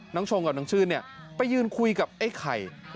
ชงกับน้องชื่นเนี่ยไปยืนคุยกับไอ้ไข่